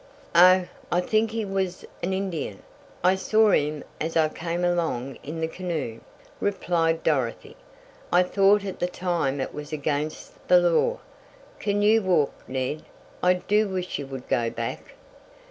"Oh, I think he was an Indian. I saw him as I came along in the canoe," replied Dorothy. "I thought at the time it was against the law. Can you walk, Ned? I do wish you would go back."